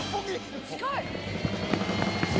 近い！